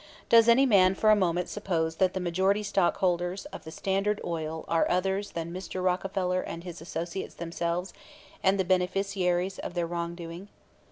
Does any man for a moment suppose that the majority stockholders of the Standard Oil are others than Mr. Rockefeller and his associates themselves and the beneficiaries of their wrongdoing?